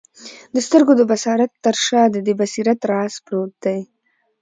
د سترګو د بصارت تر شاه دي د بصیرت راز پروت دی